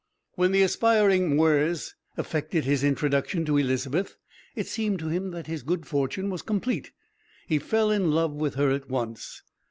When the aspiring Mwres effected his introduction to Elizabeth, it seemed to him that his good fortune was complete. He fell in love with her at once.